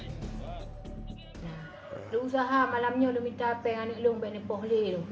diusaha malamnya lo minta peng anak lo baiknya poh leh lo